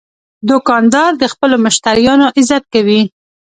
دوکاندار د خپلو مشتریانو عزت کوي.